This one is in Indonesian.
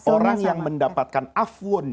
orang yang mendapatkan afun